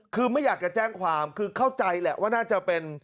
คือไม่อยากจะแจ้งความคือเข้าใจแหละว่าน่าจะเป็น